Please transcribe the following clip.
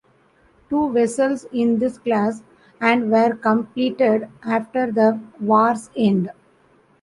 Two vessels in this class- and -were completed after the war's end.